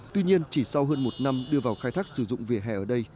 tuy nhiên chỉ sau hơn một năm đưa vào khai thác sử dụng vỉa hè ở đây